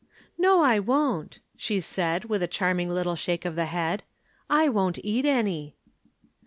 "No, I won't," she said with a charming little shake of the head, "I won't eat any."